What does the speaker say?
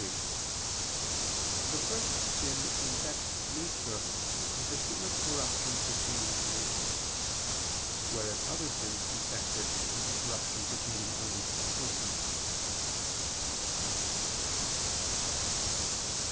3: The first sin infects nature with a human corruption pertaining to nature; whereas other sins infect it with a corruption pertaining only to the person.